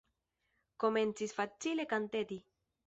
Komencis facile kanteti.